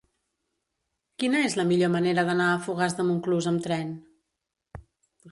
Quina és la millor manera d'anar a Fogars de Montclús amb tren?